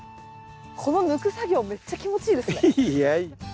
この抜く作業めっちゃ気持ちいいですね。